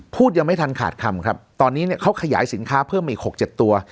ยังไม่ทันขาดคำครับตอนนี้เนี่ยเขาขยายสินค้าเพิ่มอีก๖๗ตัว